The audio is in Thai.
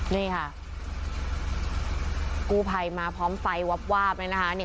นี่ค่ะกู้ภัยมาพร้อมไฟวาบนะครับ